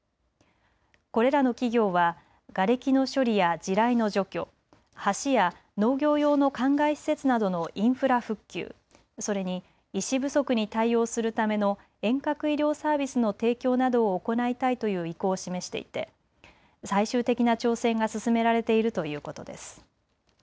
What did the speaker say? これらの企業はがれきの処理や地雷の除去、橋や農業用のかんがい施設などのインフラ復旧、それに医師不足に対応するための遠隔医療サービスの提供などを行いたいという意向を示していて最終的な調整が進められているということです。